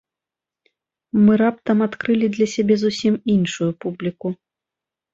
Мы раптам адкрылі для сябе зусім іншую публіку.